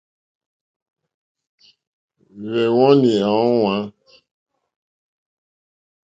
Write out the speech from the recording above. Hwɛ́wɔ́nì à ówàŋ.